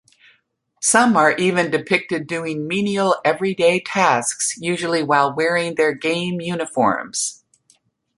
Some are even depicted doing menial, everyday tasks, usually while wearing their game uniforms.